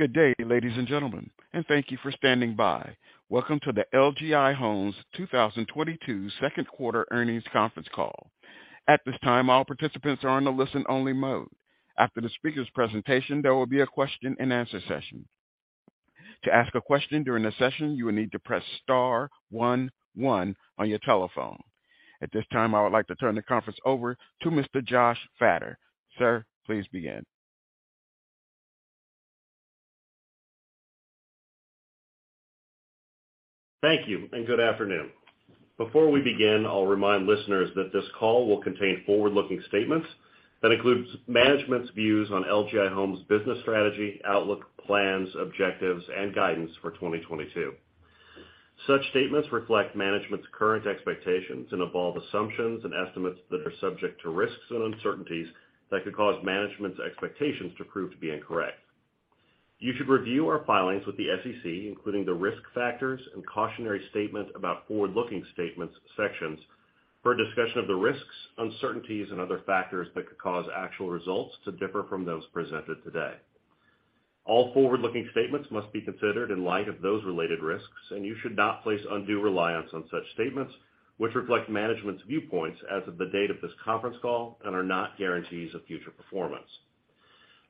Good day, ladies and gentlemen, and thank you for standing by. Welcome to the LGI Homes' 2022 Second Quarter Earnings Conference Call. At this time, all participants are on a listen-only mode. After the speakers' presentation, there will be a question-and-answer session. To ask a question during the session, you will need to press star one one on your telephone. At this time, I would like to turn the conference over to Mr. Josh Fattor. Sir, please begin. Thank you and good afternoon. Before we begin, I'll remind listeners that this call will contain forward-looking statements that includes management's views on LGI Homes' business strategy, outlook, plans, objectives, and guidance for 2022. Such statements reflect management's current expectations and involve assumptions and estimates that are subject to risks and uncertainties that could cause management's expectations to prove to be incorrect. You should review our filings with the SEC, including the risk factors and cautionary statement about forward-looking statements sections for a discussion of the risks, uncertainties, and other factors that could cause actual results to differ from those presented today. All forward-looking statements must be considered in light of those related risks, and you should not place undue reliance on such statements, which reflect management's viewpoints as of the date of this conference call and are not guarantees of future performance.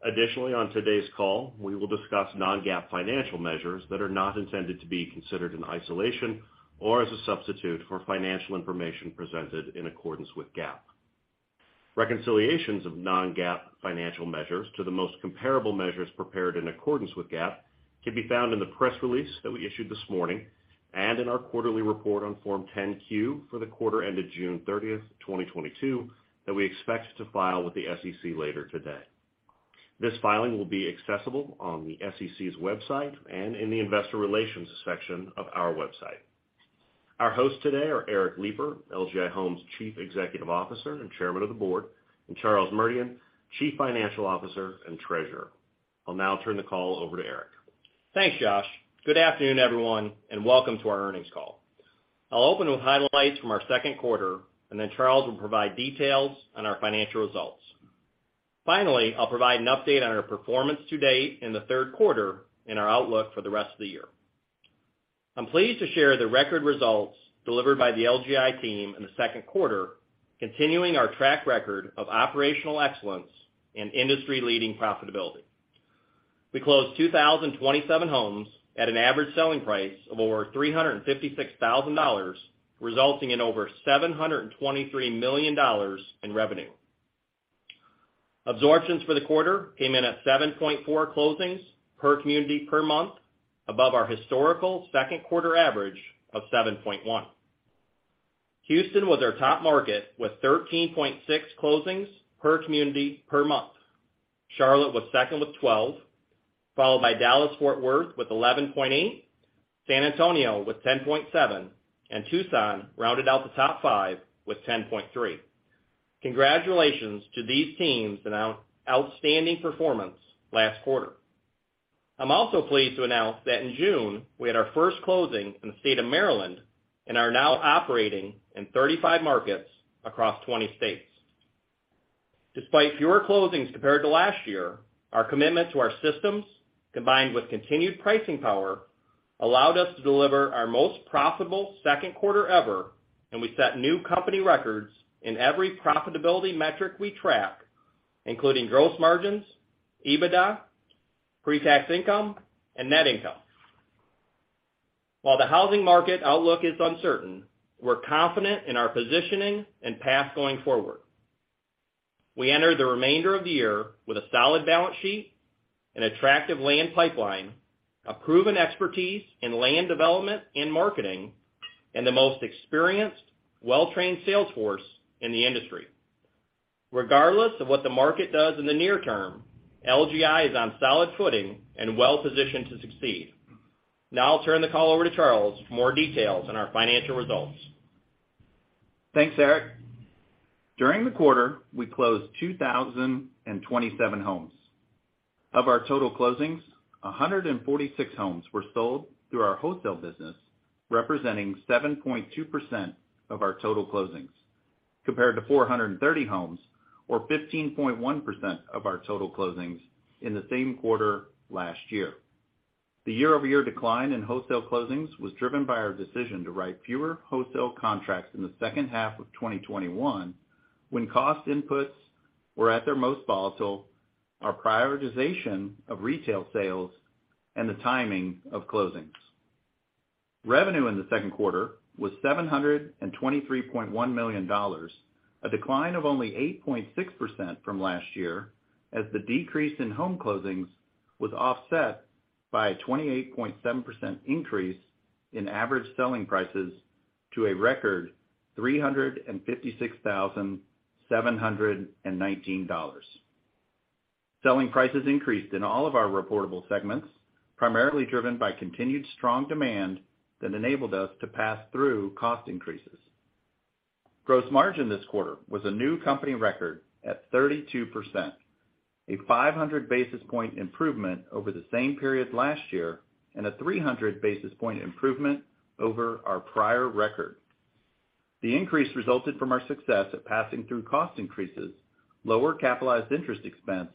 Additionally, on today's call, we will discuss non-GAAP financial measures that are not intended to be considered in isolation or as a substitute for financial information presented in accordance with GAAP. Reconciliations of non-GAAP financial measures to the most comparable measures prepared in accordance with GAAP can be found in the press release that we issued this morning and in our quarterly report on Form 10-Q for the quarter ended June 30th, 2022, that we expect to file with the SEC later today. This filing will be accessible on the SEC's website and in the Investor Relations section of our website. Our hosts today are Eric Lipar, LGI Homes' Chief Executive Officer and Chairman of the Board, and Charles Merdian, Chief Financial Officer and Treasurer. I'll now turn the call over to Eric. Thanks, Josh. Good afternoon, everyone, and welcome to our earnings call. I'll open with highlights from our second quarter, and then Charles will provide details on our financial results. Finally, I'll provide an update on our performance to date in the third quarter and our outlook for the rest of the year. I'm pleased to share the record results delivered by the LGI team in the second quarter, continuing our track record of operational excellence and industry-leading profitability. We closed 2,027 homes at an average selling price of over $356,000, resulting in over $723 million in revenue. Absorptions for the quarter came in at 7.4 closings per community per month above our historical second quarter average of 7.1. Houston was our top market with 13.6 closings per community per month. Charlotte was second with 12, followed by Dallas-Fort Worth with 11.8, San Antonio with 10.7, and Tucson rounded out the top five with 10.3. Congratulations to these teams on outstanding performance last quarter. I'm also pleased to announce that in June, we had our first closing in the state of Maryland and are now operating in 35 markets across 20 states. Despite fewer closings compared to last year, our commitment to our systems, combined with continued pricing power, allowed us to deliver our most profitable second quarter ever, and we set new company records in every profitability metric we track, including gross margins, EBITDA, pre-tax income, and net income. While the housing market outlook is uncertain, we're confident in our positioning and path going forward. We enter the remainder of the year with a solid balance sheet, an attractive land pipeline, a proven expertise in land development and marketing, and the most experienced, well-trained sales force in the industry. Regardless of what the market does in the near term, LGI is on solid footing and well-positioned to succeed. Now I'll turn the call over to Charles for more details on our financial results. Thanks, Eric. During the quarter, we closed 2,027 homes. Of our total closings, 146 homes were sold through our wholesale business, representing 7.2% of our total closings, compared to 430 homes or 15.1% of our total closings in the same quarter last year. The year-over-year decline in wholesale closings was driven by our decision to write fewer wholesale contracts in the second half of 2021, when cost inputs were at their most volatile, our prioritization of retail sales, and the timing of closings. Revenue in the second quarter was $723.1 million, a decline of only 8.6% from last year, as the decrease in home closings was offset by a 28.7% increase in average selling prices to a record $356,719. Selling prices increased in all of our reportable segments, primarily driven by continued strong demand that enabled us to pass through cost increases. Gross margin this quarter was a new company record at 32%, a 500 basis point improvement over the same period last year and a 300 basis point improvement over our prior record. The increase resulted from our success at passing through cost increases, lower capitalized interest expense,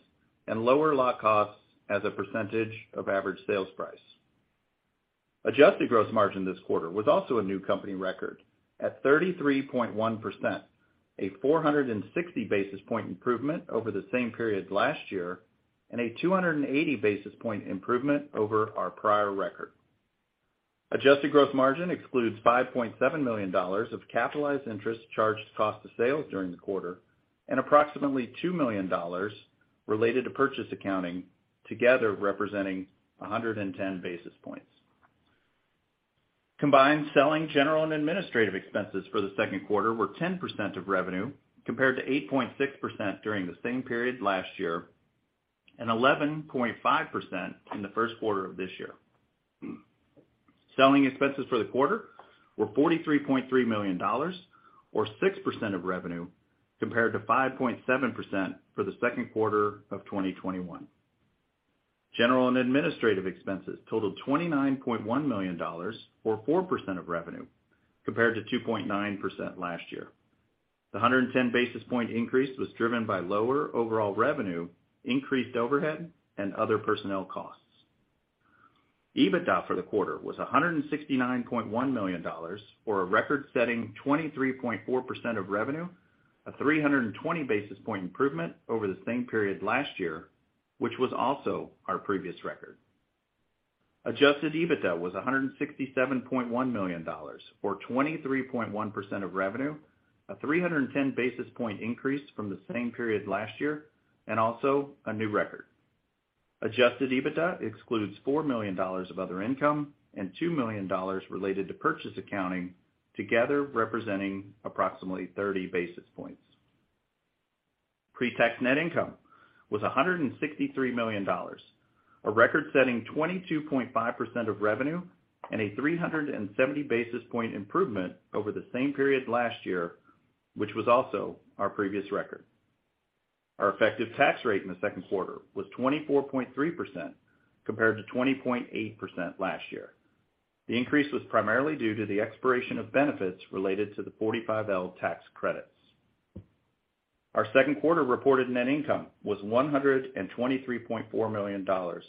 and lower lot costs as a percentage of average sales price. Adjusted gross margin this quarter was also a new company record at 33.1%, a 460 basis point improvement over the same period last year and a 280 basis point improvement over our prior record. Adjusted gross margin excludes $5.7 million of capitalized interest charged to cost of sales during the quarter and approximately $2 million related to purchase accounting, together representing a 110 basis points. Combined selling, general, and administrative expenses for the second quarter were 10% of revenue, compared to 8.6% during the same period last year and 11.5% in the first quarter of this year. Selling expenses for the quarter were $43.3 million or 6% of revenue, compared to 5.7% for the second quarter of 2021. General and administrative expenses totaled $29.1 million or 4% of revenue, compared to 2.9% last year. The 110 basis point increase was driven by lower overall revenue, increased overhead, and other personnel costs. EBITDA for the quarter was $169.1 million or a record-setting 23.4% of revenue, a 320 basis point improvement over the same period last year, which was also our previous record. Adjusted EBITDA was $167.1 million or 23.1% of revenue, a 310 basis point increase from the same period last year and also a new record. Adjusted EBITDA excludes $4 million of other income and $2 million related to purchase accounting, together representing approximately 30 basis points. Pre-tax net income was $163 million, a record-setting 22.5% of revenue and a 370 basis point improvement over the same period last year, which was also our previous record. Our effective tax rate in the second quarter was 24.3% compared to 20.8% last year. The increase was primarily due to the expiration of benefits related to the 45L tax credits. Our second quarter reported net income was $123.4 million or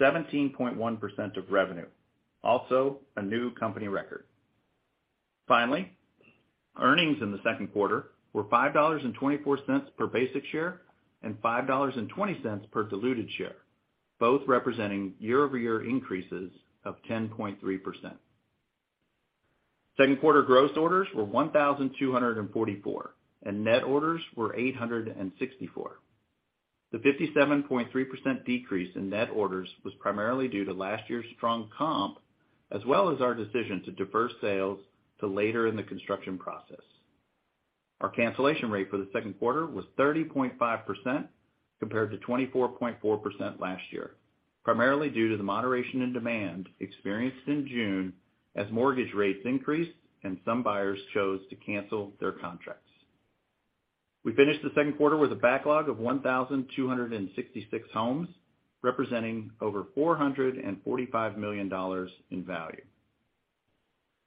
17.1% of revenue, also a new company record. Finally, earnings in the second quarter were $5.24 per basic share and $5.20 per diluted share, both representing year-over-year increases of 10.3%. Second quarter gross orders were 1,244, and net orders were 864. The 57.3% decrease in net orders was primarily due to last year's strong comp, as well as our decision to defer sales to later in the construction process. Our cancellation rate for the second quarter was 30.5% compared to 24.4% last year, primarily due to the moderation in demand experienced in June as mortgage rates increased and some buyers chose to cancel their contracts. We finished the second quarter with a backlog of 1,266 homes, representing over $445 million in value.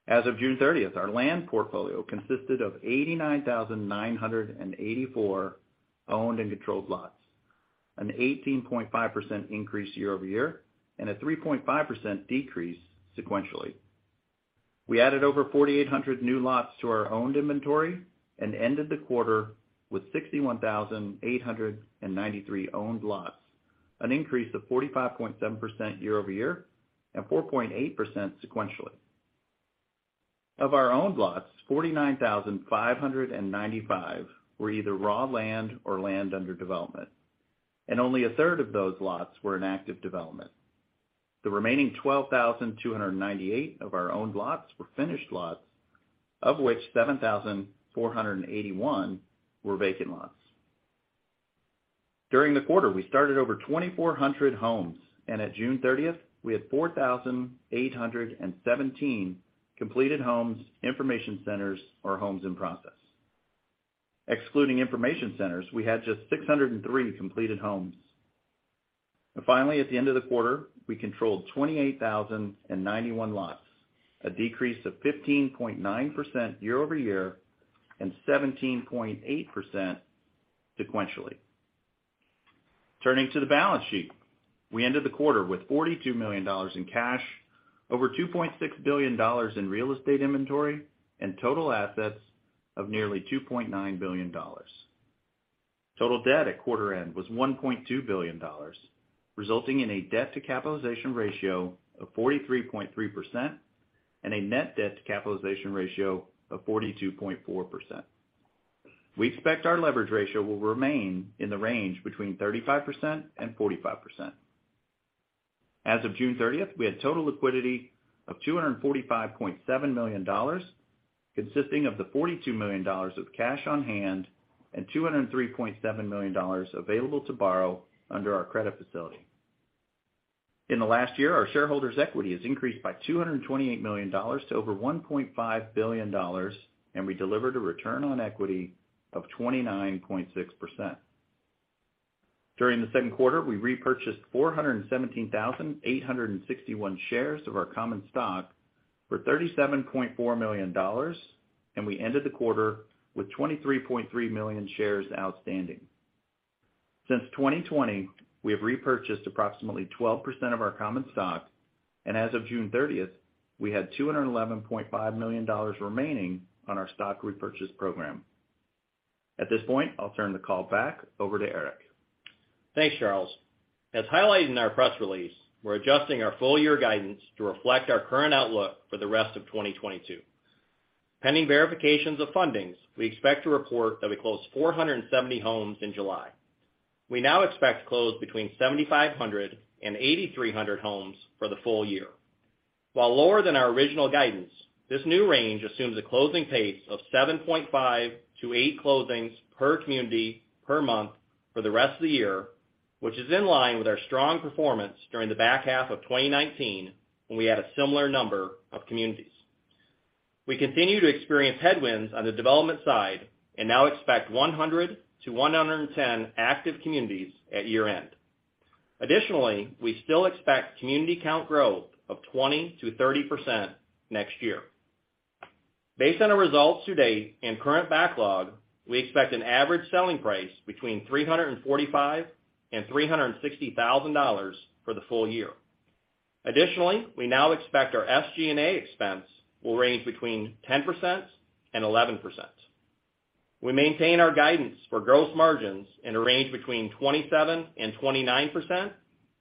As of June 30th, our land portfolio consisted of 89,984 owned and controlled lots, an 18.5% increase year-over-year and a 3.5% decrease sequentially. We added over 4,800 new lots to our owned inventory and ended the quarter with 61,893 owned lots, an increase of 45.7% year-over-year and 4.8% sequentially. Of our owned lots, 49,595 were either raw land or land under development, and only a third of those lots were in active development. The remaining 12,298 of our owned lots were finished lots, of which 7,481 were vacant lots. During the quarter, we started over 2,400 homes, and at June 30th, we had 4,817 completed homes, information centers or homes in process. Excluding information centers, we had just 603 completed homes. Finally, at the end of the quarter, we controlled 28,091 lots, a decrease of 15.9% year-over-year and 17.8% sequentially. Turning to the balance sheet, we ended the quarter with $42 million in cash, over $2.6 billion in real estate inventory, and total assets of nearly $2.9 billion. Total debt at quarter end was $1.2 billion, resulting in a debt to capitalization ratio of 43.3% and a net debt to capitalization ratio of 42.4%. We expect our leverage ratio will remain in the range between 35% and 45%. As of June 30th, we had total liquidity of $245.7 million, consisting of the $42 million of cash on hand and $203.7 million available to borrow under our credit facility. In the last year, our shareholders' equity has increased by $228 million to over $1.5 billion, and we delivered a return on equity of 29.6%. During the second quarter, we repurchased 417,861 shares of our common stock for $37.4 million, and we ended the quarter with 23.3 million shares outstanding. Since 2020, we have repurchased approximately 12% of our common stock, and as of June 30, we had $211.5 million remaining on our stock repurchase program. At this point, I'll turn the call back over to Eric. Thanks, Charles. As highlighted in our press release, we're adjusting our full-year guidance to reflect our current outlook for the rest of 2022. Pending verifications of fundings, we expect to report that we closed 470 homes in July. We now expect to close between 7,500 and 8,300 homes for the full year. While lower than our original guidance, this new range assumes a closing pace of 7.5-eight closings per community per month for the rest of the year, which is in line with our strong performance during the back half of 2019 when we had a similar number of communities. We continue to experience headwinds on the development side and now expect 100-110 active communities at year-end. Additionally, we still expect community count growth of 20%-30% next year. Based on our results to date and current backlog, we expect an average selling price between $345,000 and $360,000 for the full year. Additionally, we now expect our SG&A expense will range between 10% and 11%. We maintain our guidance for gross margins in a range between 27% and 29%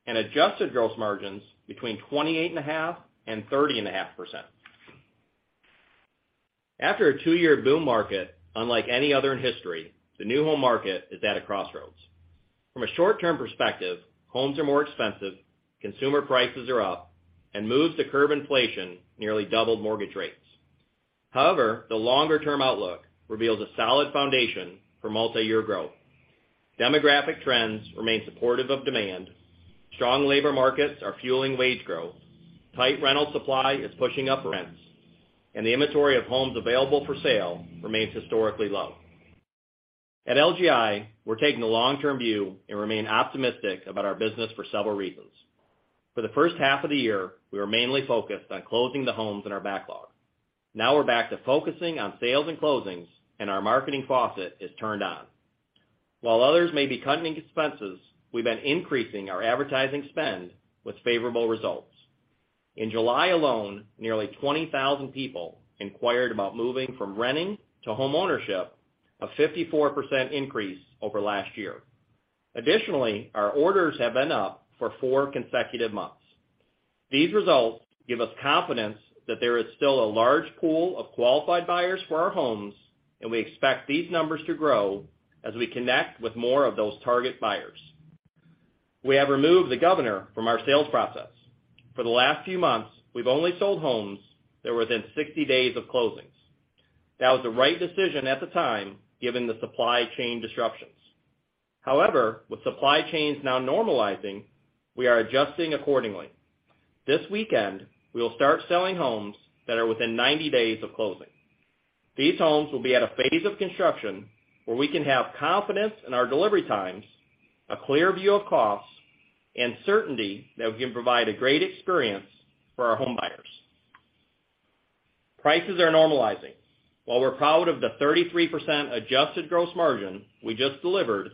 and adjusted gross margins between 28.5% and 30.5%. After a two-year boom market unlike any other in history, the new home market is at a crossroads. From a short-term perspective, homes are more expensive, consumer prices are up, and moves to curb inflation nearly doubled mortgage rates. However, the longer-term outlook reveals a solid foundation for multiyear growth. Demographic trends remain supportive of demand. Strong labor markets are fueling wage growth. Tight rental supply is pushing up rents, and the inventory of homes available for sale remains historically low. At LGI, we're taking a long-term view and remain optimistic about our business for several reasons. For the first half of the year, we were mainly focused on closing the homes in our backlog. Now we're back to focusing on sales and closings, and our marketing faucet is turned on. While others may be cutting expenses, we've been increasing our advertising spend with favorable results. In July alone, nearly 20,000 people inquired about moving from renting to homeownership, a 54% increase over last year. Additionally, our orders have been up for four consecutive months. These results give us confidence that there is still a large pool of qualified buyers for our homes, and we expect these numbers to grow as we connect with more of those target buyers. We have removed the governor from our sales process. For the last few months, we've only sold homes that were within 60 days of closings. That was the right decision at the time, given the supply chain disruptions. However, with supply chains now normalizing, we are adjusting accordingly. This weekend, we will start selling homes that are within 90 days of closing. These homes will be at a phase of construction where we can have confidence in our delivery times, a clear view of costs, and certainty that we can provide a great experience for our homebuyers. Prices are normalizing. While we're proud of the 33% adjusted gross margin we just delivered,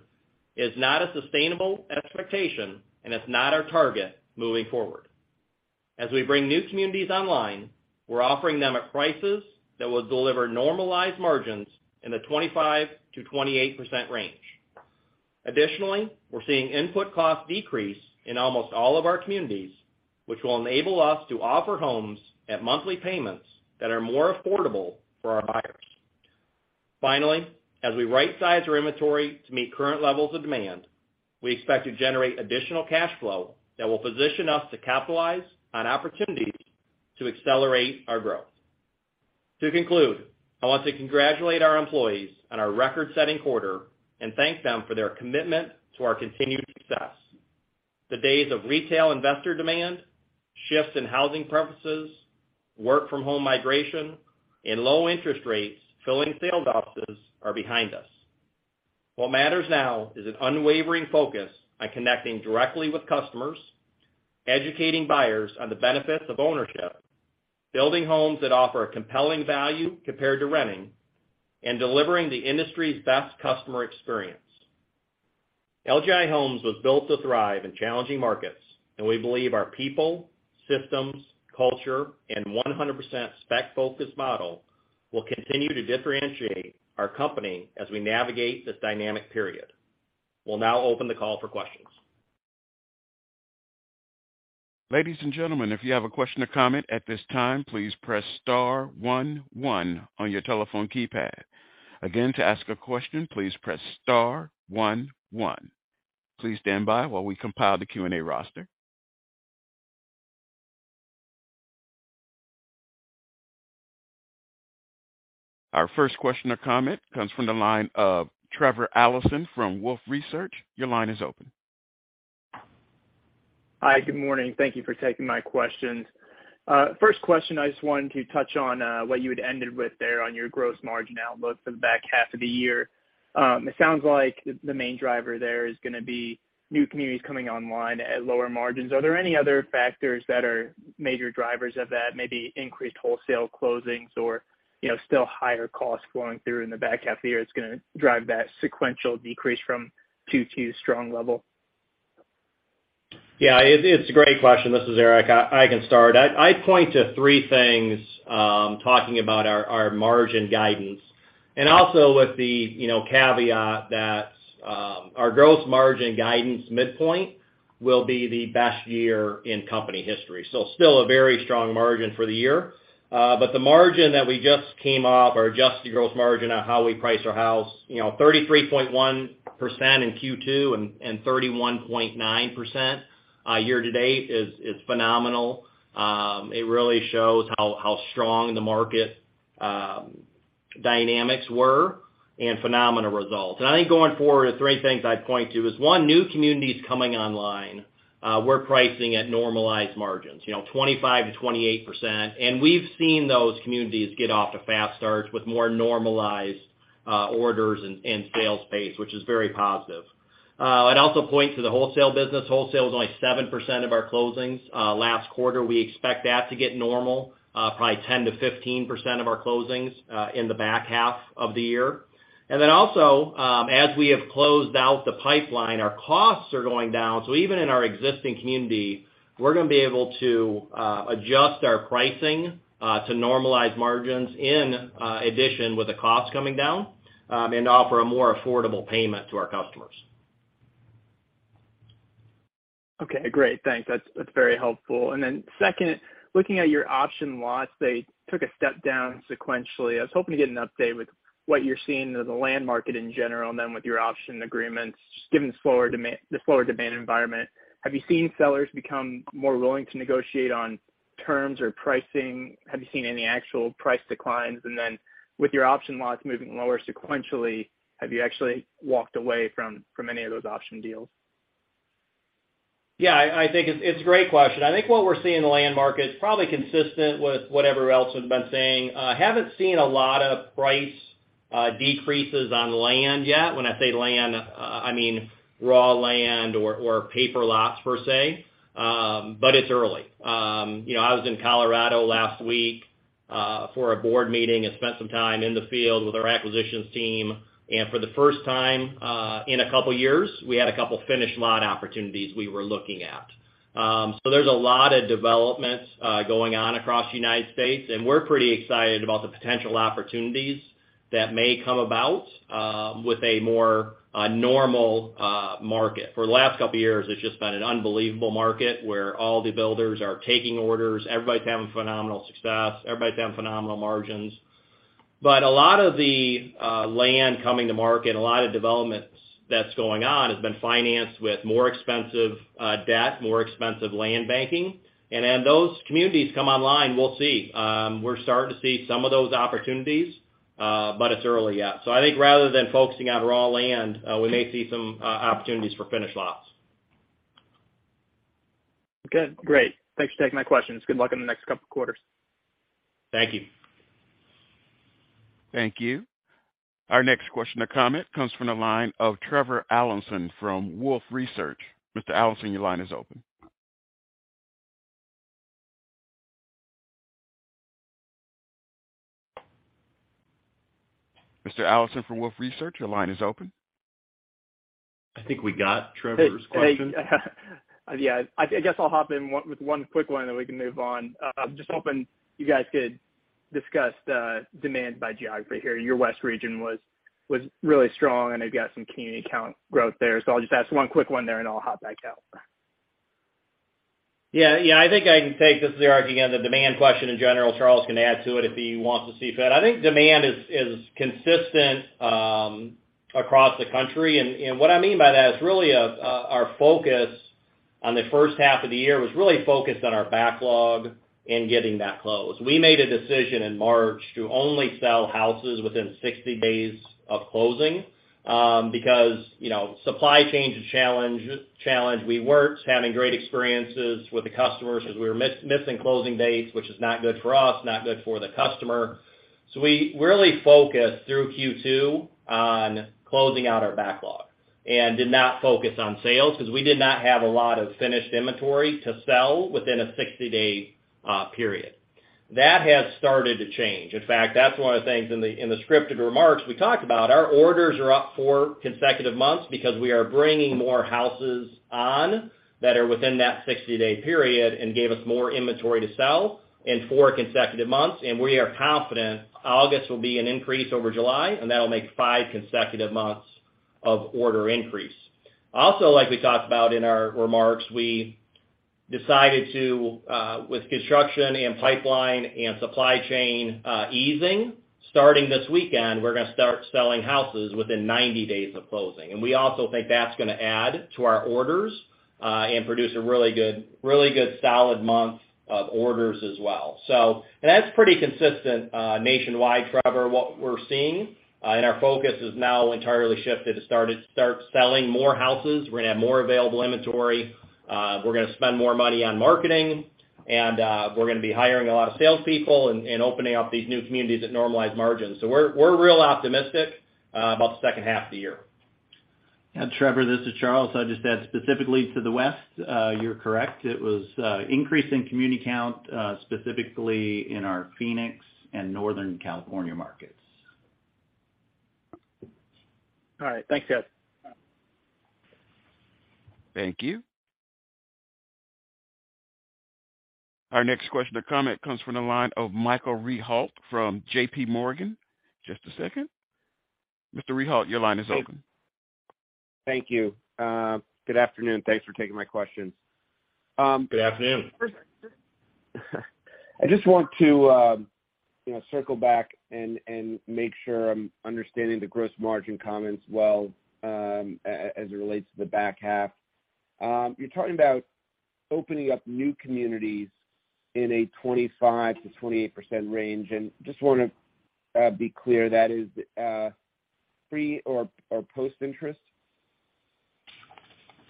it's not a sustainable expectation, and it's not our target moving forward. As we bring new communities online, we're offering them at prices that will deliver normalized margins in the 25%-28% range. Additionally, we're seeing input cost decrease in almost all of our communities, which will enable us to offer homes at monthly payments that are more affordable for our buyers. Finally, as we right-size our inventory to meet current levels of demand, we expect to generate additional cash flow that will position us to capitalize on opportunities to accelerate our growth. To conclude, I want to congratulate our employees on our record-setting quarter and thank them for their commitment to our continued success. The days of retail investor demand, shifts in housing preferences, work-from-home migration, and low interest rates filling sales offices are behind us. What matters now is an unwavering focus on connecting directly with customers, educating buyers on the benefits of ownership, building homes that offer a compelling value compared to renting, and delivering the industry's best customer experience. LGI Homes was built to thrive in challenging markets, and we believe our people, systems, culture, and 100% spec-focused model will continue to differentiate our company as we navigate this dynamic period. We'll now open the call for questions. Ladies and gentlemen, if you have a question or comment at this time, please press star one one on your telephone keypad. Again, to ask a question, please press star one one. Please stand by while we compile the Q&A roster. Our first question or comment comes from the line of Trevor Allinson from Wolfe Research. Your line is open. Hi. Good morning. Thank you for taking my questions. First question, I just wanted to touch on what you had ended with there on your gross margin outlook for the back half of the year. It sounds like the main driver there is gonna be new communities coming online at lower margins. Are there any other factors that are major drivers of that, maybe increased wholesale closings or, you know, still higher costs flowing through in the back half of the year that's gonna drive that sequential decrease from Q2's strong level? It's a great question. This is Eric. I can start. I'd point to three things talking about our margin guidance, and also with the, you know, caveat that our gross margin guidance midpoint will be the best year in company history, so still a very strong margin for the year. But the margin that we just came off, our adjusted gross margin on how we price our house, you know, 33.1% in Q2 and 31.9%, year to date is phenomenal. It really shows how strong the market dynamics were and phenomenal results. I think going forward, there's three things I'd point to is, one, new communities coming online, we're pricing at normalized margins, you know, 25%-28%. We've seen those communities get off to fast starts with more normalized orders and sales pace, which is very positive. I'd also point to the wholesale business. Wholesale is only 7% of our closings last quarter. We expect that to get normal, probably 10%-15% of our closings in the back half of the year. As we have closed out the pipeline, our costs are going down. Even in our existing community, we're gonna be able to adjust our pricing to normalize margins in addition with the costs coming down and offer a more affordable payment to our customers. Okay, great. Thanks. That's very helpful. Second, looking at your option lots, they took a step down sequentially. I was hoping to get an update with what you're seeing in the land market in general, and then with your option agreements, just given the slower demand environment. Have you seen sellers become more willing to negotiate on terms or pricing? Have you seen any actual price declines? With your option lots moving lower sequentially, have you actually walked away from any of those option deals? Yeah, I think it's a great question. I think what we're seeing in the land market is probably consistent with what everyone else has been saying. Haven't seen a lot of price decreases on land yet. When I say land, I mean raw land or paper lots per se, but it's early. You know, I was in Colorado last week for a board meeting and spent some time in the field with our acquisitions team. For the first time in a couple years, we had a couple finished lot opportunities we were looking at. There's a lot of developments going on across the United States, and we're pretty excited about the potential opportunities that may come about with a more normal market. For the last couple of years, it's just been an unbelievable market where all the builders are taking orders. Everybody's having phenomenal success. Everybody's having phenomenal margins. A lot of the land coming to market and a lot of developments that's going on has been financed with more expensive debt, more expensive land banking. Those communities come online, we'll see. We're starting to see some of those opportunities, but it's early yet. I think rather than focusing on raw land, we may see some opportunities for finished lots. Okay, great. Thanks for taking my questions. Good luck in the next couple quarters. Thank you. Thank you. Our next question or comment comes from the line of Trevor Allinson from Wolfe Research. Mr. Allinson, your line is open. Mr. Allinson from Wolfe Research, your line is open. I think we got Trevor's question. Hey, yeah, I guess I'll hop in with one quick one, then we can move on. I'm just hoping you guys could discuss the demand by geography here. Your west region was really strong, and you've got some community count growth there. I'll just ask one quick one there, and I'll hop back out. I think I can take this. This is Eric again, the demand question in general. Charles can add to it if he wants to see fit. I think demand is consistent across the country. What I mean by that is really our focus on the first half of the year was really focused on our backlog and getting that closed. We made a decision in March to only sell houses within 60 days of closing because you know supply chain challenges. We weren't having great experiences with the customers as we were missing closing dates, which is not good for us, not good for the customer. We really focused through Q2 on closing out our backlog and did not focus on sales 'cause we did not have a lot of finished inventory to sell within a 60-day period. That has started to change. In fact, that's one of the things in the scripted remarks we talked about. Our orders are up four consecutive months because we are bringing more houses on that are within that 60-day period and gave us more inventory to sell in four consecutive months. We are confident August will be an increase over July, and that'll make five consecutive months of order increase. Also, like we talked about in our remarks, we decided to with construction and pipeline and supply chain easing, starting this weekend, we're gonna start selling houses within 90 days of closing. We also think that's gonna add to our orders and produce a really good solid month of orders as well. That's pretty consistent nationwide, Trevor, what we're seeing. Our focus has now entirely shifted to selling more houses. We're gonna have more available inventory. We're gonna spend more money on marketing. We're gonna be hiring a lot of salespeople and opening up these new communities at normalized margins. We're real optimistic about the second half of the year. Yeah, Trevor, this is Charles. I'll just add specifically to the West, you're correct. It was increase in community count, specifically in our Phoenix and Northern California markets. All right. Thanks, guys. Thank you. Our next question or comment comes from the line of Michael Rehaut from JPMorgan. Just a second. Mr. Rehaut, your line is open. Thank you. Good afternoon. Thanks for taking my questions. Good afternoon. I just want to, you know, circle back and make sure I'm understanding the gross margin comments well, as it relates to the back half. You're talking about opening up new communities in a 25%-28% range, and just wanna be clear, that is, pre or post-interest?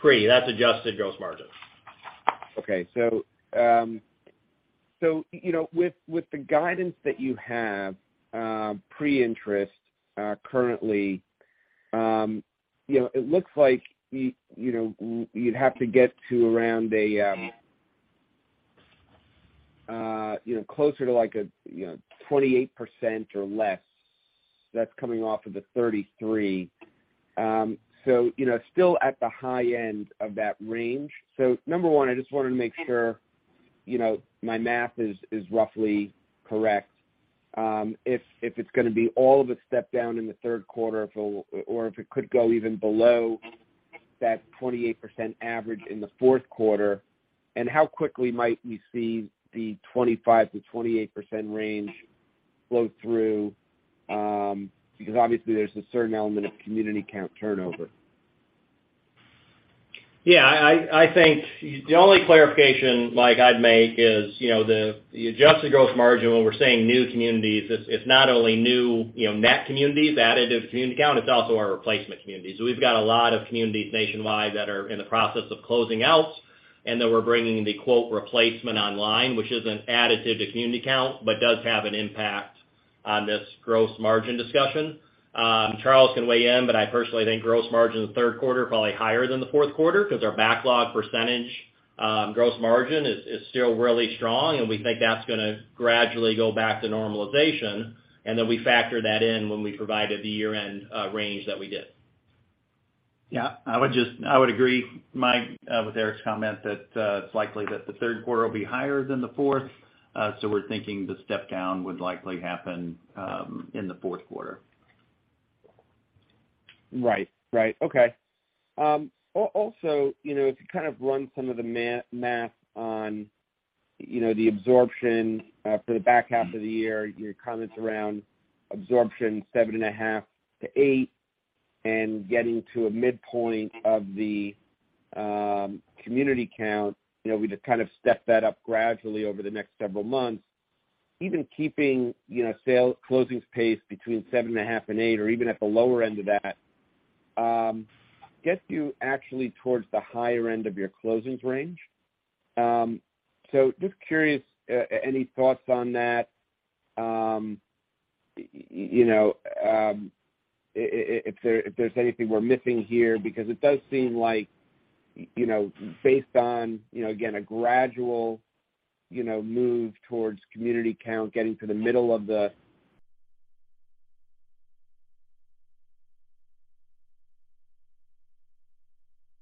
That's adjusted gross margin. Okay. You know, with the guidance that you have, pre-interest, currently, you know, it looks like you'd have to get to around a, you know, closer to, like, a, you know, 28% or less that's coming off of the 33%. You know, still at the high end of that range. Number one, I just wanted to make sure, you know, my math is roughly correct. If it's gonna be all of a step down in the third quarter, or if it could go even below that 28% average in the fourth quarter, and how quickly might we see the 25%-28% range flow through? Because obviously, there's a certain element of community count turnover. Yeah, I think the only clarification like I'd make is, you know, the adjusted gross margin, when we're saying new communities, it's not only new, you know, net communities, additive community count, it's also our replacement communities. We've got a lot of communities nationwide that are in the process of closing out, and then we're bringing the quote replacement online, which isn't additive to community count but does have an impact on this gross margin discussion. Charles can weigh in, but I personally think gross margin in the third quarter probably higher than the fourth quarter 'cause our backlog percentage gross margin is still really strong, and we think that's gonna gradually go back to normalization, and then we factor that in when we provided the year-end range that we did. Yeah. I would agree, Mike, with Eric's comment that it's likely that the third quarter will be higher than the fourth. We're thinking the step down would likely happen in the fourth quarter. Right. Okay. Also, you know, if you kind of run some of the math on, you know, the absorption for the back half of the year, your comments around absorption 7.5 to eight and getting to a midpoint of the community count, you know, we just kind of step that up gradually over the next several months, even keeping, you know, sale closing pace between 7.5 and eight or even at the lower end of that, gets you actually towards the higher end of your closings range. Just curious, any thoughts on that, you know, if there, if there's anything we're missing here? Because it does seem like, you know, based on, you know, again, a gradual, you know, move towards community count getting to the middle of the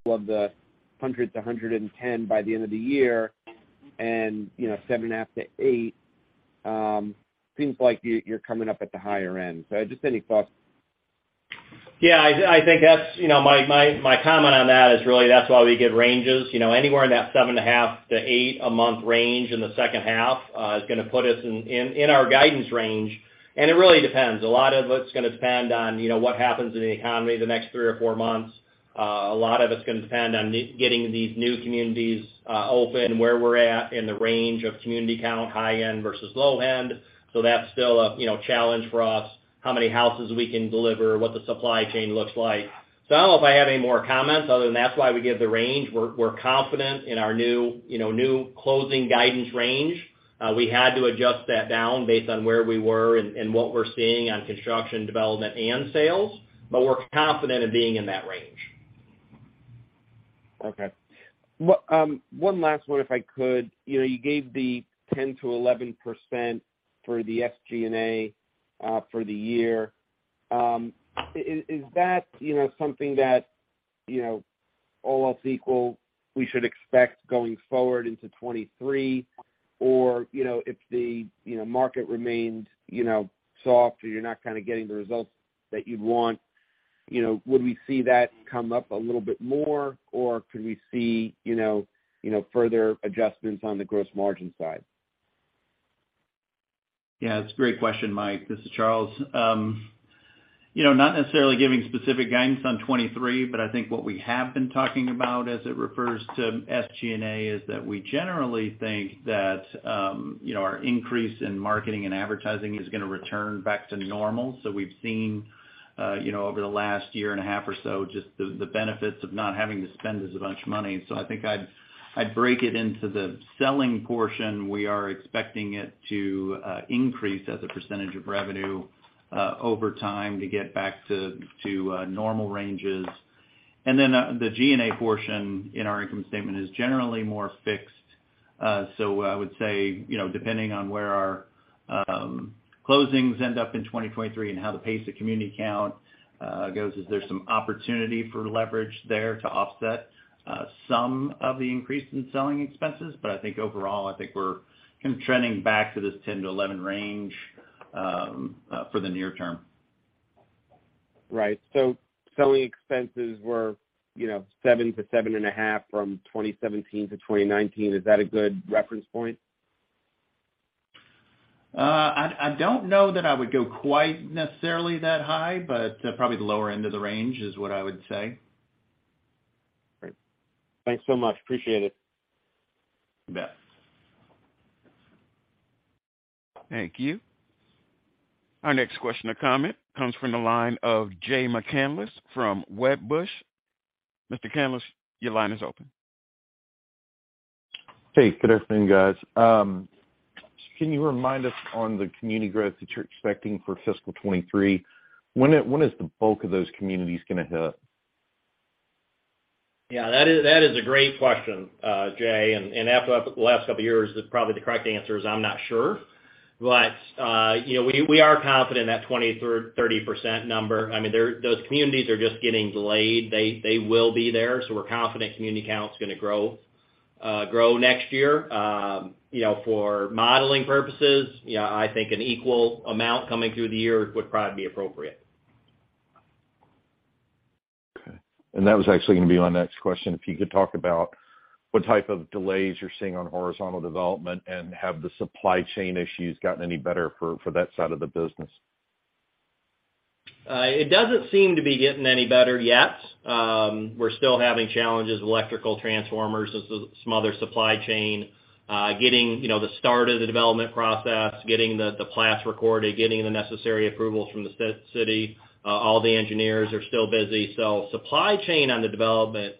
100-110 by the end of the year and, you know, 7.5 to eight seems like you're coming up at the higher end. Just any thoughts? Yeah, I think that's, you know, my comment on that is really that's why we give ranges. You know, anywhere in that 7.5 to eight a month range in the second half is gonna put us in our guidance range. It really depends. A lot of it's gonna depend on, you know, what happens in the economy the next three or four months. A lot of it's gonna depend on getting these new communities open, where we're at in the range of community count, high end versus low end. That's still a, you know, challenge for us, how many houses we can deliver, what the supply chain looks like. I don't know if I have any more comments other than that's why we give the range. We're confident in our new, you know, new closing guidance range. We had to adjust that down based on where we were and what we're seeing on construction development and sales, but we're confident of being in that range. Okay. One last one, if I could. You know, you gave the 10%-11% for the SG&A for the year. Is that, you know, something that, you know, all else equal, we should expect going forward into 2023? Or, you know, if the, you know, market remains, you know, soft or you're not kind of getting the results that you'd want, you know, would we see that come up a little bit more, or could we see, you know, further adjustments on the gross margin side? Yeah, it's a great question, Mike. This is Charles. You know, not necessarily giving specific guidance on 2023, but I think what we have been talking about as it refers to SG&A is that we generally think that, you know, our increase in marketing and advertising is gonna return back to normal. We've seen, you know, over the last year and a half or so just the benefits of not having to spend as much money. I think I'd break it into the selling portion. We are expecting it to increase as a percentage of revenue over time to get back to normal ranges. The G&A portion in our income statement is generally more fixed. I would say, you know, depending on where our closings end up in 2023 and how the pace of community count goes is there's some opportunity for leverage there to offset some of the increase in selling expenses. I think overall, we're kind of trending back to this 10-11 range for the near term. Right. Selling expenses were, you know, 7%-7.5% from 2017 to 2019. Is that a good reference point? I don't know that I would go quite necessarily that high, but probably the lower end of the range is what I would say. Great. Thanks so much. Appreciate it. You bet. Thank you. Our next question or comment comes from the line of Jay McCanless from Wedbush. Mr. McCanless, your line is open. Hey, good afternoon, guys. Can you remind us on the community growth that you're expecting for fiscal 2023, when is the bulk of those communities gonna hit? Yeah, that is a great question, Jay. After the last couple of years, probably the correct answer is I'm not sure. You know, we are confident that 30% number. I mean, those communities are just getting delayed. They will be there, so we're confident community count's gonna grow next year. You know, for modeling purposes, yeah, I think an equal amount coming through the year would probably be appropriate. Okay. That was actually gonna be my next question. If you could talk about what type of delays you're seeing on horizontal development, and have the supply chain issues gotten any better for that side of the business? It doesn't seem to be getting any better yet. We're still having challenges, electrical transformers as some other supply chain, getting you know the start of the development process, getting the plats recorded, getting the necessary approvals from the city, all the engineers are still busy. Supply chain on the development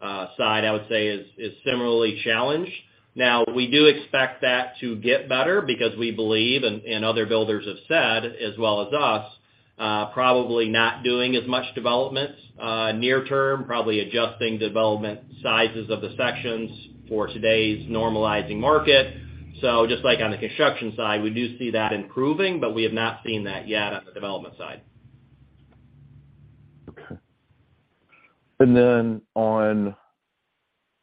side, I would say is similarly challenged. We do expect that to get better because we believe, and other builders have said as well as us, probably not doing as much development near term, probably adjusting development sizes of the sections for today's normalizing market. Just like on the construction side, we do see that improving, but we have not seen that yet on the development side. Okay. Then on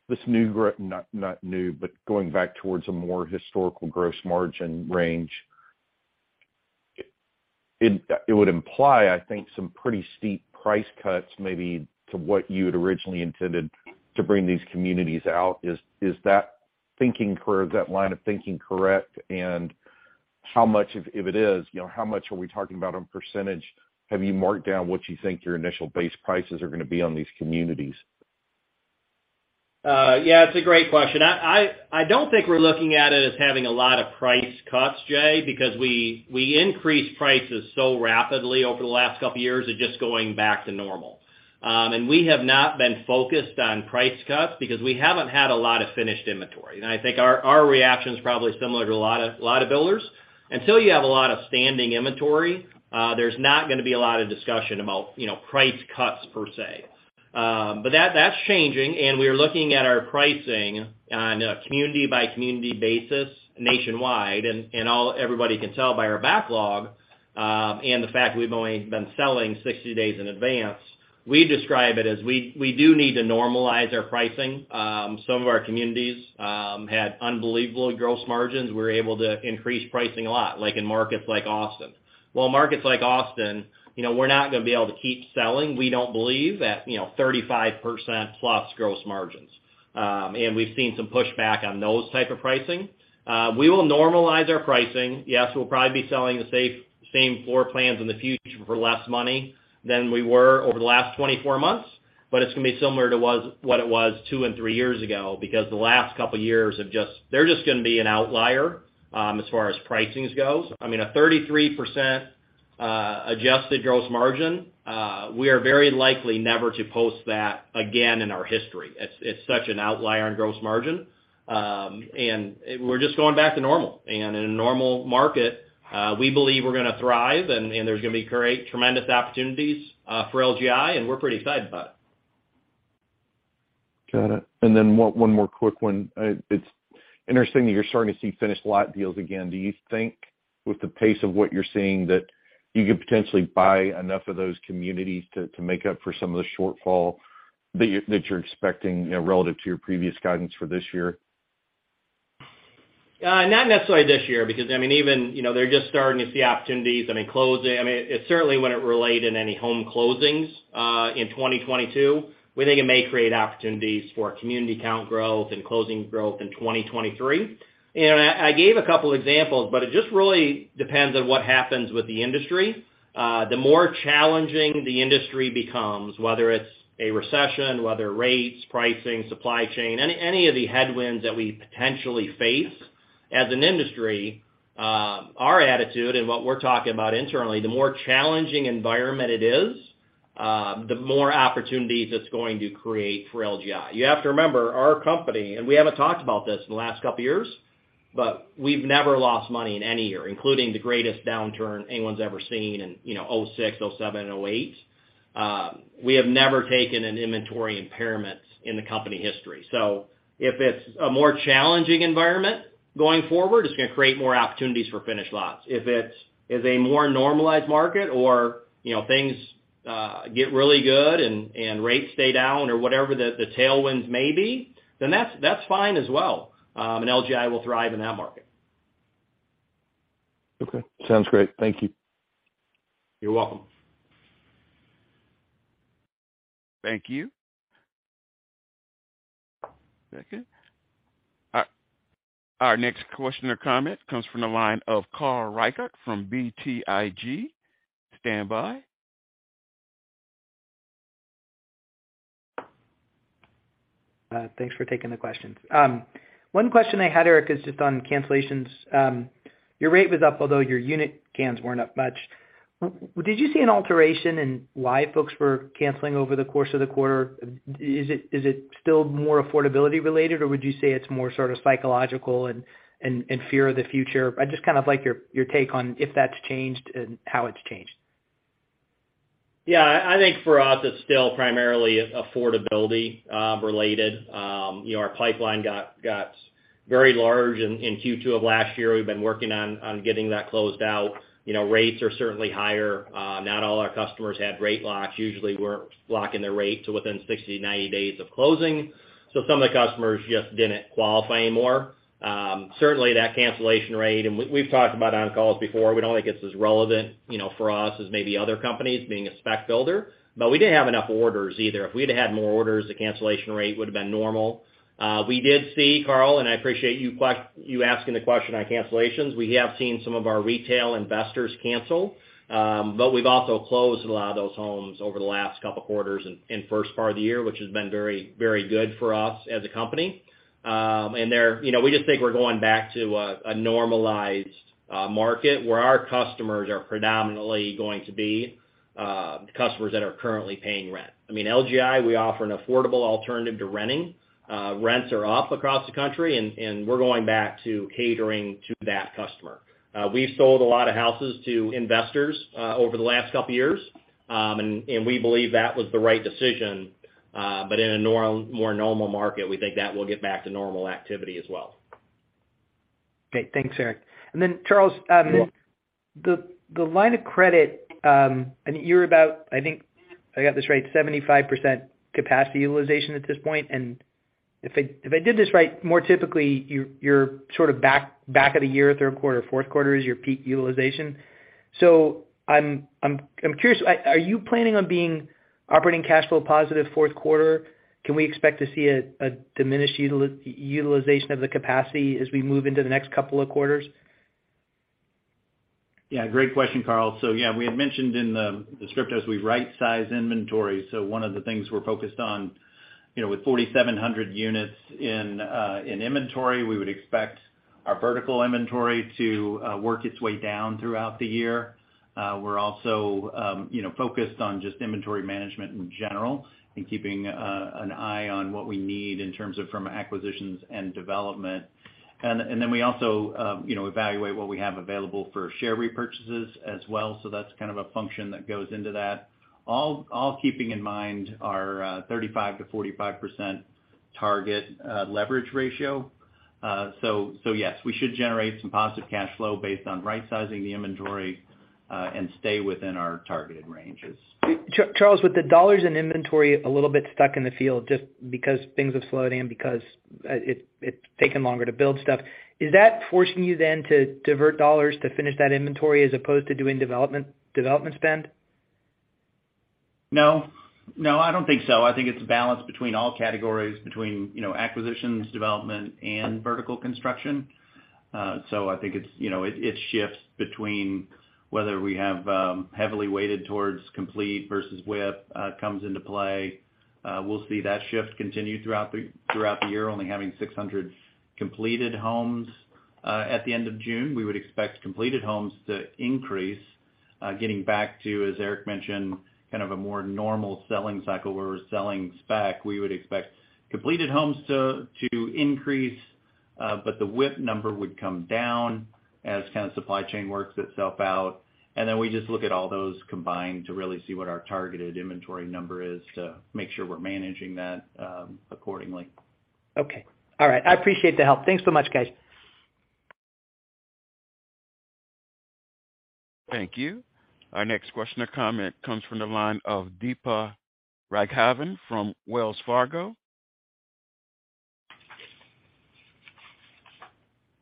this not new, but going back towards a more historical gross margin range, it would imply, I think, some pretty steep price cuts maybe to what you had originally intended to bring these communities out. Is that line of thinking correct? How much, if it is, you know, how much are we talking about on percentage? Have you marked down what you think your initial base prices are gonna be on these communities? Yeah, it's a great question. I don't think we're looking at it as having a lot of price cuts, Jay, because we increased prices so rapidly over the last couple of years. It's just going back to normal. We have not been focused on price cuts because we haven't had a lot of finished inventory. I think our reaction is probably similar to a lot of builders. Until you have a lot of standing inventory, there's not gonna be a lot of discussion about, you know, price cuts per se. That's changing, and we are looking at our pricing on a community-by-community basis nationwide. Everybody can tell by our backlog, and the fact that we've only been selling 60 days in advance, we describe it as we do need to normalize our pricing. Some of our communities had unbelievable gross margins. We were able to increase pricing a lot, like in markets like Austin. While in markets like Austin, you know, we're not gonna be able to keep selling. We don't believe, you know, 35% plus gross margins. We've seen some pushback on those type of pricing. We will normalize our pricing. Yes, we'll probably be selling the same floor plans in the future for less money than we were over the last 24 months, but it's gonna be similar to what it was two and three years ago because the last couple of years have just They're just gonna be an outlier as far as pricing goes. I mean, a 33% adjusted gross margin we are very likely never to post that again in our history. It's such an outlier on gross margin. We're just going back to normal. In a normal market, we believe we're gonna thrive and there's gonna be great, tremendous opportunities for LGI, and we're pretty excited about it. Got it. One more quick one. It's interesting that you're starting to see finished lot deals again. Do you think with the pace of what you're seeing that you could potentially buy enough of those communities to make up for some of the shortfall that you're expecting, you know, relative to your previous guidance for this year? Not necessarily this year, because I mean, even, you know, they're just starting to see opportunities. I mean, it's certainly wouldn't relate in any home closings in 2022. We think it may create opportunities for community count growth and closing growth in 2023. I gave a couple examples, but it just really depends on what happens with the industry. The more challenging the industry becomes, whether it's a recession, whether rates, pricing, supply chain, any of the headwinds that we potentially face as an industry, our attitude and what we're talking about internally, the more challenging environment it is, the more opportunities it's going to create for LGI. You have to remember our company, and we haven't talked about this in the last couple of years, but we've never lost money in any year, including the greatest downturn anyone's ever seen in, you know, 2006, 2007, and 2008. We have never taken an inventory impairment in the company history. If it's a more challenging environment going forward, it's gonna create more opportunities for finished lots. If it's a more normalized market or, you know, things get really good and rates stay down or whatever the tailwinds may be, then that's fine as well. LGI will thrive in that market. Okay. Sounds great. Thank you. You're welcome. Thank you. Our next question or comment comes from the line of Carl Reichardt from BTIG. Standby. Thanks for taking the questions. One question I had, Eric, is just on cancellations. Your rate was up, although your unit cans weren't up much. Did you see an alteration in why folks were canceling over the course of the quarter? Is it still more affordability related, or would you say it's more sort of psychological and fear of the future? I'd just kind of like your take on if that's changed and how it's changed. Yeah. I think for us, it's still primarily affordability related. You know, our pipeline got very large in Q2 of last year. We've been working on getting that closed out. You know, rates are certainly higher. Not all our customers had rate locks. Usually we're locking their rate to within 60, 90 days of closing. So some of the customers just didn't qualify anymore. Certainly that cancellation rate, and we've talked about it on calls before, we don't think it's as relevant, you know, for us as maybe other companies being a spec builder. But we didn't have enough orders either. If we'd had more orders, the cancellation rate would've been normal. We did see, Carl, and I appreciate you asking the question on cancellations. We have seen some of our retail investors cancel, but we've also closed a lot of those homes over the last couple quarters in first part of the year, which has been very, very good for us as a company. You know, we just think we're going back to a normalized market where our customers are predominantly going to be customers that are currently paying rent. I mean, LGI, we offer an affordable alternative to renting. Rents are up across the country and we're going back to catering to that customer. We've sold a lot of houses to investors over the last couple years. We believe that was the right decision, but in a more normal market, we think that will get back to normal activity as well. Great. Thanks, Eric. Then Charles, You're welcome. The line of credit, and you're about, I think I got this right, 75% capacity utilization at this point. If I did this right, more typically, you're sort of back of the year, third quarter, fourth quarter is your peak utilization. I'm curious, are you planning on being operating cash flow positive fourth quarter? Can we expect to see a diminished utilization of the capacity as we move into the next couple of quarters? Yeah, great question, Carl. Yeah, we had mentioned in the script as we right-size inventory. One of the things we're focused on, you know, with 4,700 units in inventory, we would expect our vertical inventory to work its way down throughout the year. We're also, you know, focused on just inventory management in general and keeping an eye on what we need in terms of from acquisitions and development. Then we also, you know, evaluate what we have available for share repurchases as well. That's kind of a function that goes into that. All keeping in mind our 35%-45% target leverage ratio. Yes, we should generate some positive cash flow based on right-sizing the inventory and stay within our targeted ranges. Charles, with the dollars in inventory a little bit stuck in the field just because things have slowed and because it's taken longer to build stuff, is that forcing you then to divert dollars to finish that inventory as opposed to doing development spend? No, I don't think so. I think it's a balance between all categories, you know, acquisitions, development, and vertical construction. I think it's, you know, it shifts between whether we have heavily weighted towards complete versus WIP, comes into play. We'll see that shift continue throughout the year, only having 600 completed homes. At the end of June, we would expect completed homes to increase, getting back to, as Eric mentioned, kind of a more normal selling cycle where we're selling spec. We would expect completed homes to increase, but the WIP number would come down as kind of supply chain works itself out. We just look at all those combined to really see what our targeted inventory number is to make sure we're managing that accordingly. Okay. All right. I appreciate the help. Thanks so much, guys. Thank you. Our next question or comment comes from the line of Deepa Raghavan from Wells Fargo.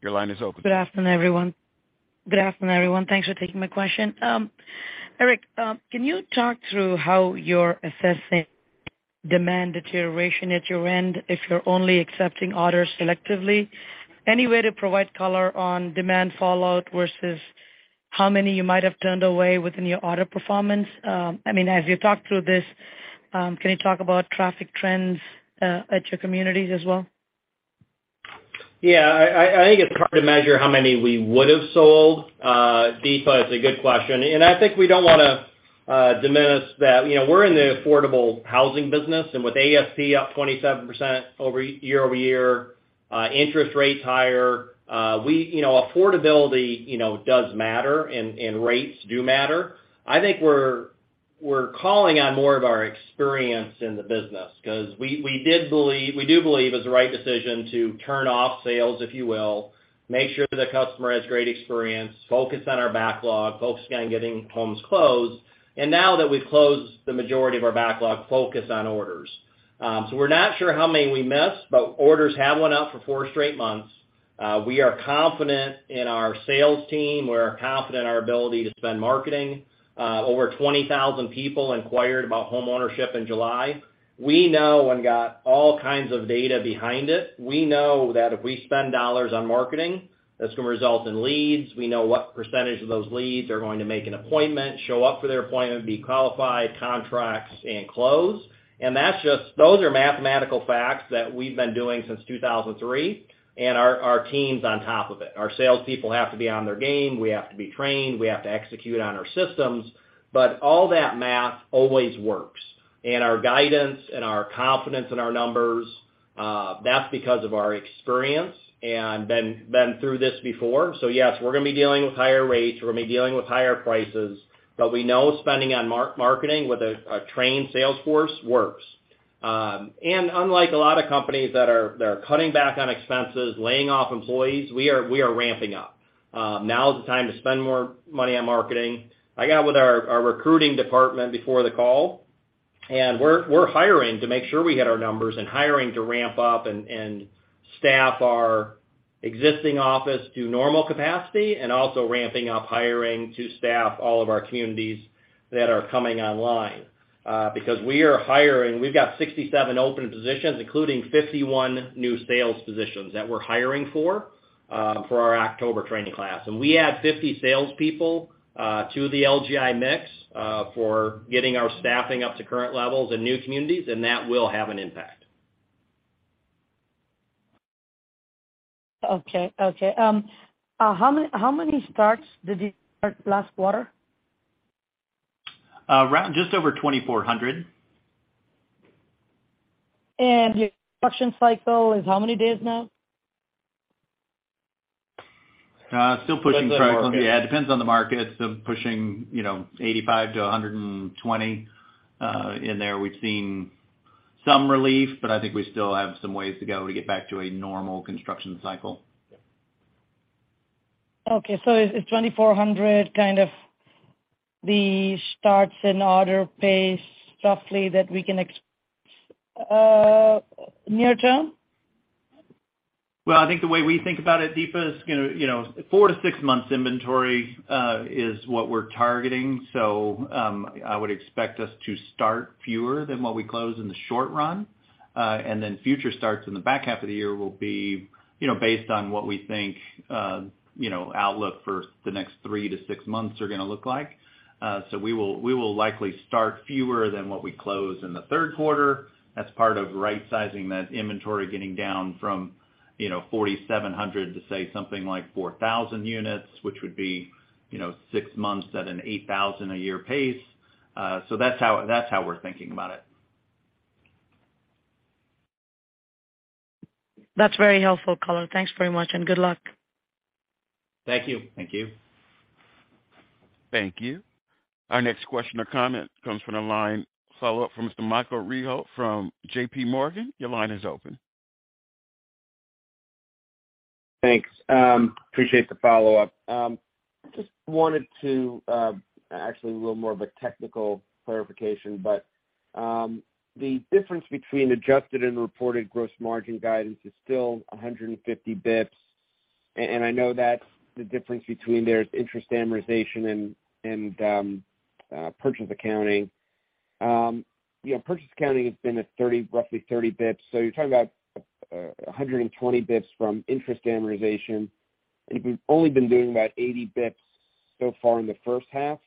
Your line is open. Good afternoon, everyone. Thanks for taking my question. Eric, can you talk through how you're assessing demand deterioration at your end if you're only accepting orders selectively? Any way to provide color on demand fallout versus how many you might have turned away within your order performance? I mean, as you talk through this, can you talk about traffic trends at your communities as well? Yeah, I think it's hard to measure how many we would have sold. Deepa, it's a good question, and I think we don't wanna diminish that. You know, we're in the affordable housing business, and with ASP up 27% year-over-year, interest rates higher, you know, affordability, you know, does matter, and rates do matter. I think we're calling on more of our experience in the business because we did believe, we do believe it was the right decision to turn off sales, if you will, make sure the customer has great experience, focus on our backlog, focus on getting homes closed, and now that we've closed the majority of our backlog, focus on orders. So we're not sure how many we missed, but orders have went up for four straight months. We are confident in our sales team. We are confident in our ability to spend marketing. Over 20,000 people inquired about homeownership in July. We know and got all kinds of data behind it. We know that if we spend dollars on marketing, that's gonna result in leads. We know what percentage of those leads are going to make an appointment, show up for their appointment, be qualified, contracts, and close. That's just those are mathematical facts that we've been doing since 2003, and our team's on top of it. Our salespeople have to be on their game. We have to be trained. We have to execute on our systems. All that math always works. Our guidance and our confidence in our numbers, that's because of our experience and been through this before. Yes, we're gonna be dealing with higher rates. We're gonna be dealing with higher prices. We know spending on marketing with a trained sales force works. Unlike a lot of companies that are cutting back on expenses, laying off employees, we are ramping up. Now is the time to spend more money on marketing. I got with our recruiting department before the call, and we're hiring to make sure we hit our numbers and hiring to ramp up and staff our existing office to normal capacity and also ramping up hiring to staff all of our communities that are coming online. Because we are hiring. We've got 67 open positions, including 51 new sales positions that we're hiring for our October training class. We add 50 salespeople to the LGI mix for getting our staffing up to current levels in new communities, and that will have an impact. How many starts did you start last quarter? Around just over 2,400. Your construction cycle is how many days now? Still pushing. Depends on the market. Yeah, depends on the market. Pushing, you know, 85-120 in there. We've seen some relief, but I think we still have some ways to go to get back to a normal construction cycle. Okay. Is 2,400 kind of the starts and order pace roughly that we can expect near term? Well, I think the way we think about it, Deepa, is gonna, you know, four to six months inventory is what we're targeting. I would expect us to start fewer than what we close in the short run. Future starts in the back half of the year will be, you know, based on what we think, you know, outlook for the next three to six months are gonna look like. We will likely start fewer than what we close in the third quarter as part of rightsizing that inventory, getting down from, you know, 4,700 to, say, something like 4,000 units, which would be, you know, six months at an 8,000 a year pace. That's how we're thinking about it. That's very helpful color. Thanks very much and good luck. Thank you. Thank you. Thank you. Our next question or comment comes from the line. Follow-up from Mr. Michael Rehaut from JPMorgan. Your line is open. Thanks. Appreciate the follow-up. Just wanted to actually a little more of a technical clarification, but the difference between adjusted and reported gross margin guidance is still 150 basis points. I know that's the difference between there's interest amortization and purchase accounting. You know, purchase accounting has been at 30, roughly 30 basis points. So you're talking about 120 basis points from interest amortization. If we've only been doing about 80 basis points so far in the first half,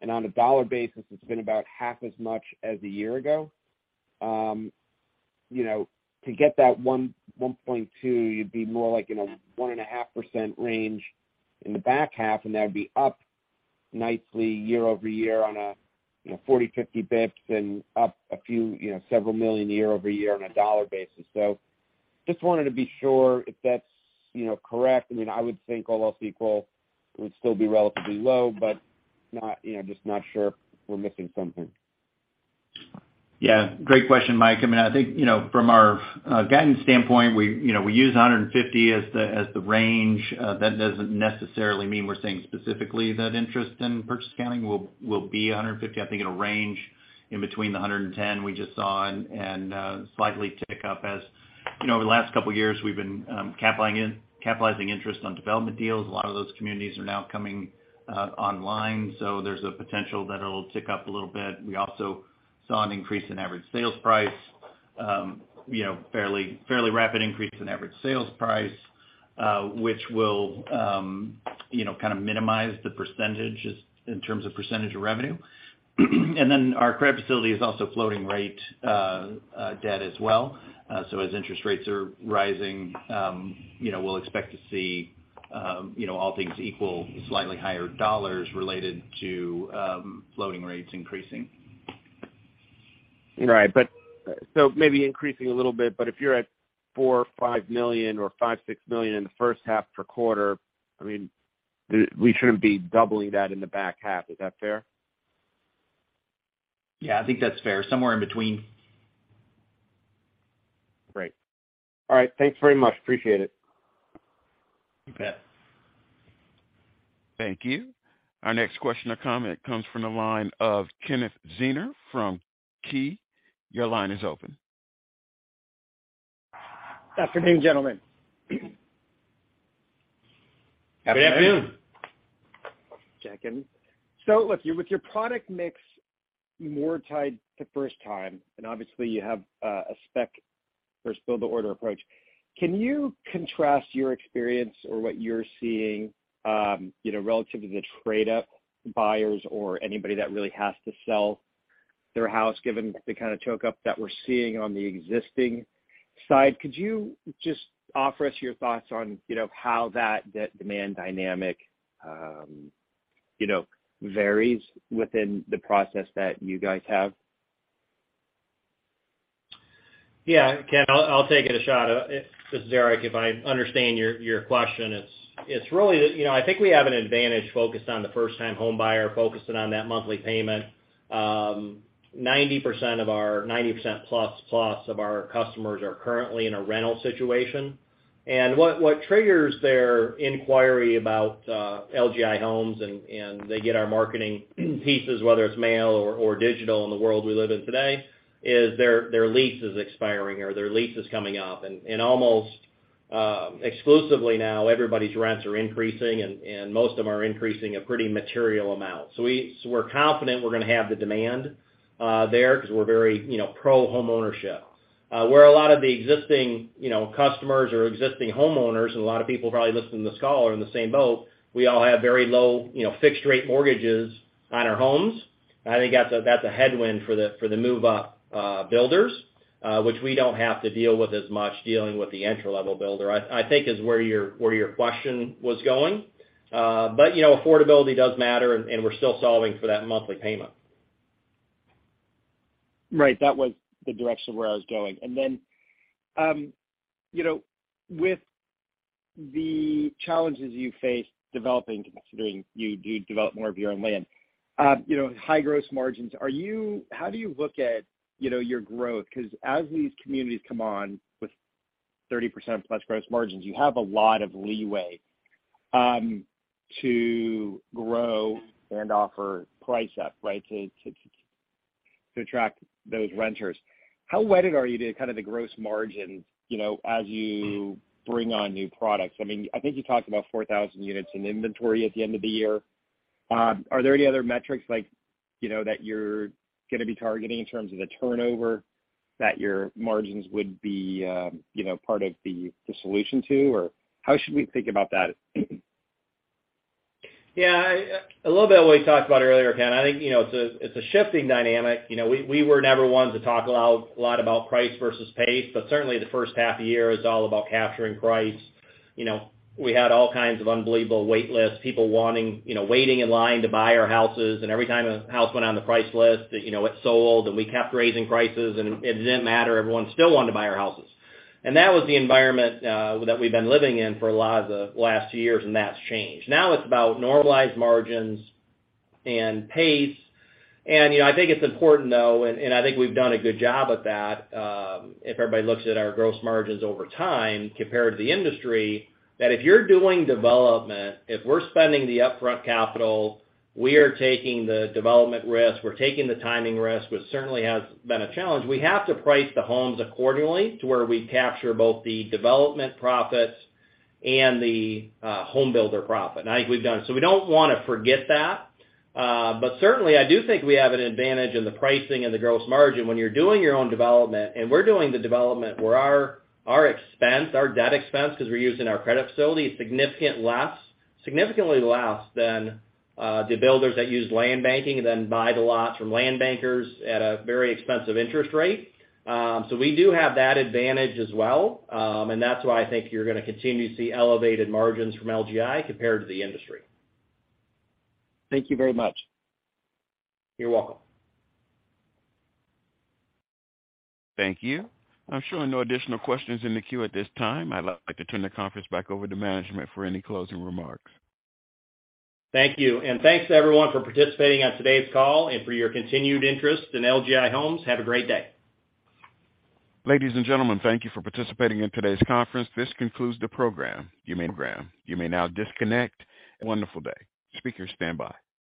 and on a dollar basis, it's been about half as much as a year ago. You know, to get that 1.2%, you'd be more like in a 1.5% range in the back half, and that would be up nicely year-over-year on a, you know, 40-50 basis points and up a few, you know, $several million year-over-year on a dollar basis. Just wanted to be sure if that's, you know, correct. I mean, I would think all else equal, it would still be relatively low, but not, you know, just not sure if we're missing something. Yeah, great question, Mike. I mean, I think, you know, from our guidance standpoint, we, you know, we use 150 as the, as the range. That doesn't necessarily mean we're saying specifically that interest in purchase accounting will be 150. I think it'll range in between the 110 we just saw and slightly tick up. As you know, over the last couple years, we've been capitalizing interest on development deals. A lot of those communities are now coming online, so there's a potential that it'll tick up a little bit. We also saw an increase in average sales price, you know, fairly rapid increase in average sales price, which will, you know, kind of minimize the percentage just in terms of percentage of revenue. Our credit facility is also floating rate debt as well. As interest rates are rising, you know, we'll expect to see, you know, all things equal, slightly higher dollars related to floating rates increasing. Right. Maybe increasing a little bit, but if you're at $4 or $5 million or $5-$6 million in the first half per quarter, I mean, we shouldn't be doubling that in the back half. Is that fair? Yeah, I think that's fair. Somewhere in between. Great. All right, thanks very much. Appreciate it. You bet. Thank you. Our next question or comment comes from the line of Kenneth Zener from Seaport Research Partners. Your line is open. Afternoon, gentlemen. Good afternoon. Check in. Look, you're with your product mix more tied to first time, and obviously you have a spec versus build-to-order approach. Can you contrast your experience or what you're seeing, you know, relative to the trade-up buyers or anybody that really has to sell their house, given the kind of lock-up that we're seeing on the existing side? Could you just offer us your thoughts on, you know, how that demand dynamic, you know, varies within the process that you guys have? Yeah, Ken, I'll take a shot. This is Eric. If I understand your question, it's really. You know, I think we have an advantage focused on the first time homebuyer focusing on that monthly payment. 90% plus of our customers are currently in a rental situation. And what triggers their inquiry about LGI Homes and they get our marketing pieces, whether it's mail or digital in the world we live in today, is their lease is expiring or their lease is coming up. And almost exclusively now, everybody's rents are increasing and most of them are increasing a pretty material amount. So we're confident we're gonna have the demand there 'cause we're very you know, pro homeownership. Where a lot of the existing, you know, customers or existing homeowners, and a lot of people probably listening to this call are in the same boat, we all have very low, you know, fixed rate mortgages on our homes. I think that's a headwind for the move up builders, which we don't have to deal with as much dealing with the entry-level builder. I think is where your question was going. You know, affordability does matter and we're still solving for that monthly payment. Right. That was the direction where I was going. You know, with the challenges you face developing, considering you do develop more of your own land, you know, high gross margins, how do you look at, you know, your growth? 'Cause as these communities come on with 30% plus gross margins, you have a lot of leeway, to grow and offer price up, right, to attract those renters. How wedded are you to kind of the gross margins, you know, as you bring on new products? I mean, I think you talked about 4,000 units in inventory at the end of the year. Are there any other metrics like, you know, that you're gonna be targeting in terms of the turnover that your margins would be, you know, part of the solution to? How should we think about that? Yeah. A little bit of what we talked about earlier, Ken. I think, you know, it's a shifting dynamic. You know, we were never ones to talk a lot about price versus pace, but certainly the first half of the year is all about capturing price. You know, we had all kinds of unbelievable wait lists, people wanting, you know, waiting in line to buy our houses, and every time a house went on the price list, you know, it sold and we kept raising prices and it didn't matter, everyone still wanted to buy our houses. That was the environment that we've been living in for a lot of the last years, and that's changed. Now, it's about normalized margins and pace. You know, I think it's important though, and I think we've done a good job at that, if everybody looks at our gross margins over time compared to the industry, that if you're doing development, if we're spending the upfront capital, we are taking the development risk, we're taking the timing risk, which certainly has been a challenge. We have to price the homes accordingly to where we capture both the development profits and the home builder profit. I think we've done so. We don't wanna forget that. Certainly, I do think we have an advantage in the pricing and the gross margin when you're doing your own development. We're doing the development where our debt expense, 'cause we're using our credit facility, is significantly less than the builders that use land banking and then buy the lots from land bankers at a very expensive interest rate. So we do have that advantage as well. And that's why I think you're gonna continue to see elevated margins from LGI compared to the industry. Thank you very much. You're welcome. Thank you. I'm showing no additional questions in the queue at this time. I'd like to turn the conference back over to management for any closing remarks. Thank you. Thanks to everyone for participating on today's call and for your continued interest in LGI Homes. Have a great day. Ladies and gentlemen, thank you for participating in today's conference. This concludes the program. You may now disconnect. Have a wonderful day. Speakers stand by.